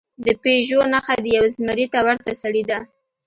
د پېژو نښه د یو زمري ته ورته سړي ده.